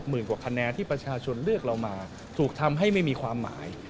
กว่าคะแนนที่ประชาชนเลือกเรามาถูกทำให้ไม่มีความหมาย